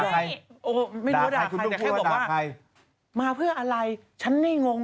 ไม่รู้ด่าใครแค่บอกว่ามาเพื่ออะไรฉันไม่งง